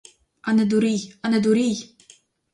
А не дурій, а не дурій!